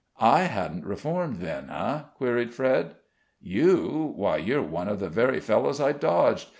"I hadn't reformed then, eh?" queried Fred. "You? why you're one of the very fellows I dodged!